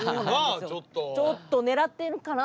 ちょっと狙ってるかな？